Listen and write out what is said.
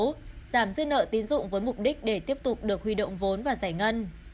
giảm dư nợ tín dụng với mục đích để tiếp tục được huy động vốn và giải ngân